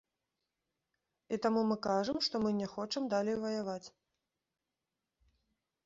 І таму мы кажам, што мы не хочам далей ваяваць.